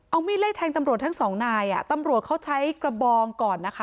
เอามีดไล่แทงตำรวจทั้งสองนายอ่ะตำรวจเขาใช้กระบองก่อนนะคะ